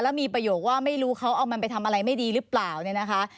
แล้วมีประโยคว่าไม่รู้เขาเอามันไปทำอะไรไม่ดีหรือเปล่าเนี่ยนะคะ